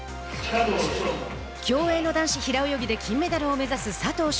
競泳の男子平泳ぎで金メダルを目指す佐藤翔